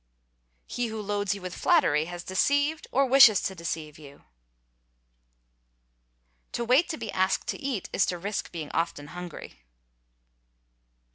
He who loads you with flattery has deceived, or wishes to deceive, you.—To wait to be asked to eat is to risk being often hungry.